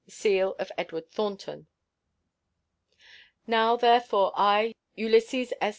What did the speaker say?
[SEAL.] EDWD. THORNTON. Now, therefore, I, Ulysses S.